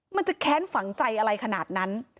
มันจะแค้นฝังใจอะไรขนาดนั้น